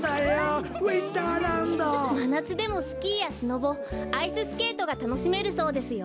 まなつでもスキーやスノボアイススケートがたのしめるそうですよ。